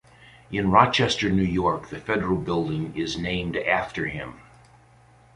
In Rochester, New York the federal building is named after him.